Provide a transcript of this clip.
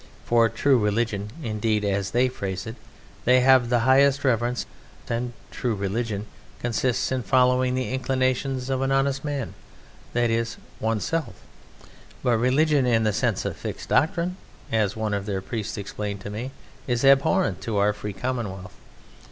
For true religion, indeed (as they phrase it), they have the highest reverence; and true religion consists in following the inclinations of an honest man, that is, oneself; but "religion in the sense of fixed doctrine," as one of their priests explained to me, "is abhorrent to our free commonwealth."